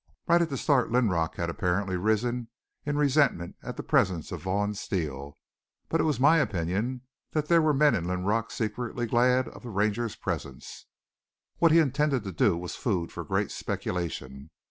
Right at the start Linrock had apparently arisen in resentment at the presence of Vaughn Steele. But it was my opinion that there were men in Linrock secretly glad of the Ranger's presence. What he intended to do was food for great speculation.